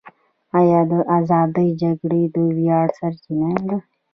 آیا د ازادۍ جګړې د ویاړ سرچینه نه ده؟